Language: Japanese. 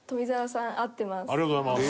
ありがとうございます。